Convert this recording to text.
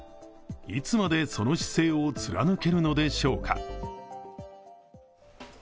いつまでその姿勢を貫けるのでしょうか。